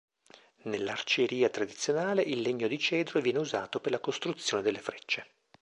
Nell'arcieria tradizionale il legno di cedro viene usato per la costruzione delle frecce.